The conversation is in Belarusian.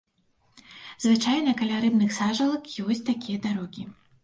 Звычайна каля рыбных сажалак ёсць такія дарогі.